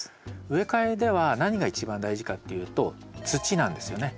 植え替えでは何が一番大事かっていうと土なんですよね。